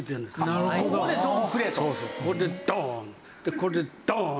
これでドーン！